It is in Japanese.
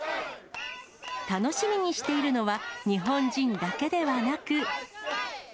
楽しみにしているのは、日本人だけではなく。